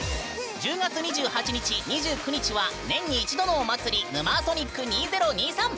１０月２８日２９日は年に一度のお祭り「ヌマーソニック２０２３」！